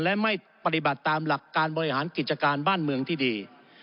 และไม่ปฏิบัติตามหลักการบริหารกิจการบ้านเมืองที่ดี